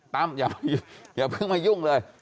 ตั้มอย่าเพิ่งมายุ่งเลย